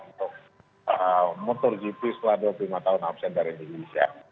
untuk motor gp setelah dua puluh lima tahun absen dari indonesia